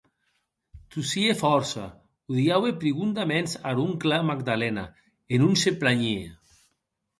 Tossie fòrça; Odiaue prigondaments ar oncle Magdalena, e non se planhie.